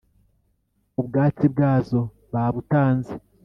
ubwatsi bwazo babutanze.